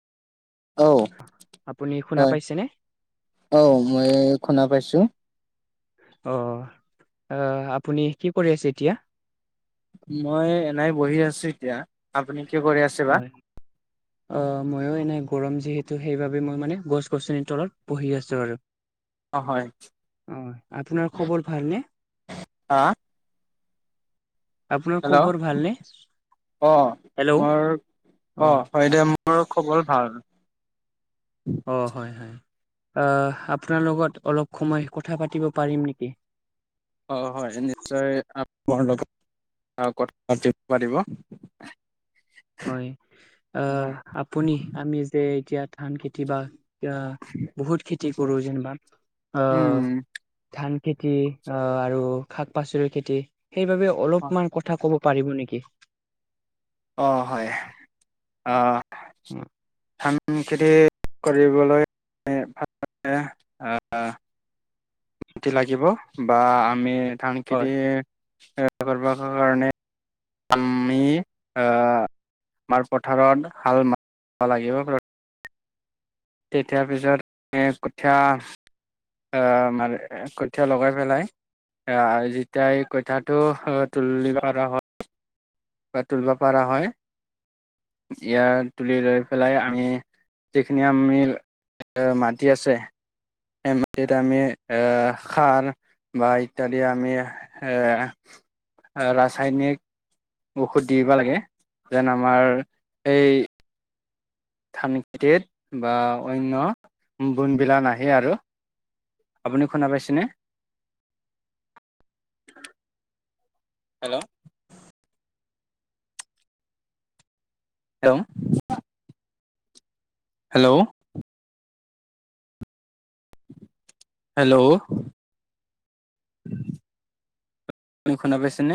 ঔ আপুনি শুনা হয় পাইছেনে? অ মে শুনা পাইছোঁ। অ আহ আপুনি কি কৰি আছে এতিয়া? মই এনাই বহি আছো এতিয়া। আপুনি কিয় কৰি আছে বা? হয়। অ মইয়ো এনেই গৰম যিহেতু সেইবাবে মই মানে গছ গছনিৰ তলত বহি আছো আৰু। অ আপোনাৰ খবৰ ভালনে? হা আপোনাৰ হেল্ল' খবৰ ভালনে? অ হেল্ল'। মোৰ অ হয় দে মৰ খবৰ ভাল অ হয় হয় আহ আপোনাৰ লগত অলপ সময় কথা পাতিব পাৰিম নেকি? অ হয় নিশ্চয় আমহৰ লগত আৰু কথিত পাতিব হয় আহ আপুনি আমি যে এতিয়া ধান খেতি বা এতিয়া বহুত খেতি কৰোঁ যেনিবা অহ উম ধান খেতি আহ আৰু শাক পাচলিৰ খেতি সেইবাবে অলপমান কথা ক'ব পাৰিব নেকি? অ হয় অ খেতি কৰিবলৈ [unintelligible] লাগিব বা আমি ধান হয় খেতি কৰিব কাৰণে আমি আহ আমাৰ পথাৰত হাল মা লাগিব পাৰত। তেতিযাৰ পিছত কঠীয়া আহ মানে কঠীয়াা লগাই পেলাই আহ যেতিয়া এই কঠিয়াটো তুলিবৰ হ'ল বা তুলব পাৰা হয়। ইয়াৰ তুলি লৈ পেলাই আমি যিখিনি আমি এ মাটি আছে। সেই মাটিত আমি এ সাৰ বা ইত্যাদি আমি এ ৰাসায়নিক ঔষধ দিবা লাগে যেন আমাৰ এই থানত বা অন্য বোনবিলা নাহে আৰ। আপুনি শুনা পাইছেনে। হেল্ল' হেয়ম' হেল্ল' হেল্ল' নি শুনা পাইছেনে?